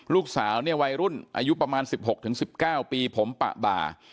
ลูกสาวเนี่ยวัยรุ่นอายุประมาณ๑๖๑๙ปีผมปะบ่า